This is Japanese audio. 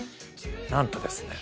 なんとですね